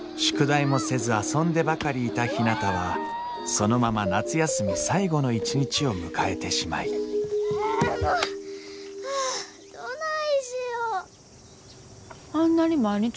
宿題もせず遊んでばかりいたひなたはそのまま夏休み最後の一日を迎えてしまいあもう！